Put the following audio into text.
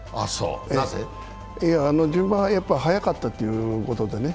順番はやっぱり早かったということでね、